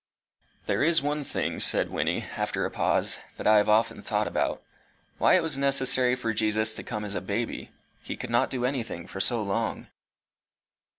"There is one thing," said Wynnie, after a pause, "that I have often thought about why it was necessary for Jesus to come as a baby: he could not do anything for so long."